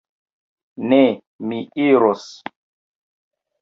Ne; mi iros.